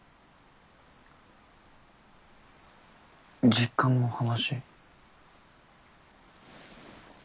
実家の話？